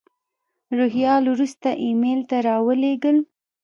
روهیال وروسته ایمیل ته را ولېږل.